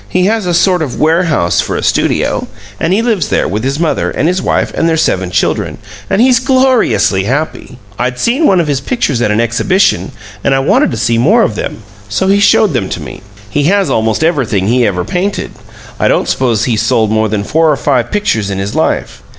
He has a sort of warehouse for a studio, and he lives there with his mother and his wife and their seven children, and he's gloriously happy. I'd seen one of his pictures at an exhibition, and I wanted to see more of them, so he showed them to me. He has almost everthing he ever painted; I don't suppose he's sold more than four or five pictures in his life.